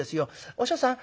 お師匠さん